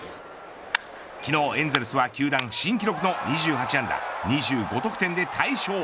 昨日エンゼルスは、球団新記録の２８安打２５得点で大勝。